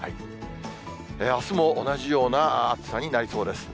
あすも同じような暑さになりそうです。